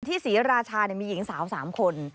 ที่ศรีราชาเนี่ยมีหญิงสาว๓คน